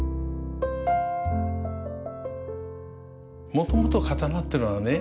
もともと刀ってのはね